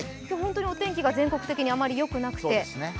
今日本当にお天気が全国的にあまりよくなくて。